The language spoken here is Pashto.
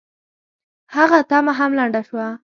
هغه تمه هم لنډه شوه.